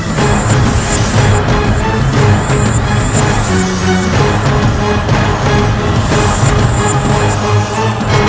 mau lari kemana kalian share